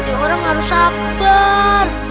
jadi orang harus sabar